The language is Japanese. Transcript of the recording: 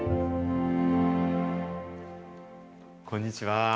こんにちは。